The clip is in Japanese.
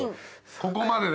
ここまでね。